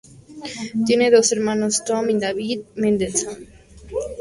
Tiene dos hermanos, Tom y David Mendelsohn.